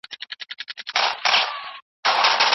سفیر محمدرضا بېګ په فرانسه کې مړ شو.